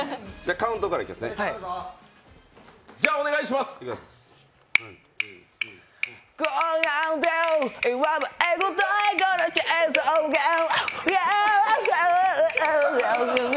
カウントからいきますね。